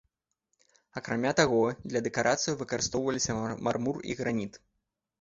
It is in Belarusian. Акрамя таго, для дэкарацый выкарыстоўваліся мармур і граніт.